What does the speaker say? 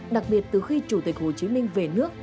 đặc biệt từ khi chủ tịch hồ chí minh về nước